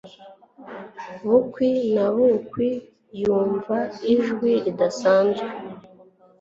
Bukwi na bukwi, yumva ijwi ridasanzwe